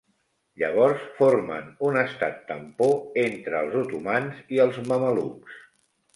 Llavors, formen un estat tampó entre els otomans i els mamelucs.